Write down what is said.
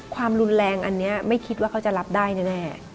ความรุนแรงอันนี้ไม่คิดว่าเขาจะรับได้แน่